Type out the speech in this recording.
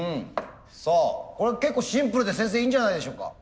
さあこれは結構シンプルで先生いいんじゃないでしょうか？